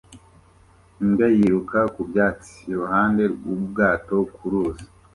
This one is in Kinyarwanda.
Imbwa yiruka ku byatsi iruhande rw'ubwato ku ruzi